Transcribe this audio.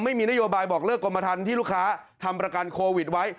ไม่มีนโยบายบอกเลิกกรมทันที่ลูกค้าทำประกันโควิดไว้